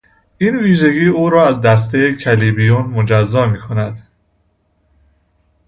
این ویژگی او را از دسته کلبیون مجزا میکند.